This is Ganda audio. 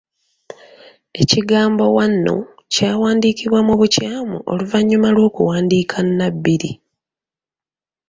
Ekigambo ‘wanno’ kyawandiikibwa mu bukyamu oluvannyuma lw’okuwandiika ‘n’ bbiri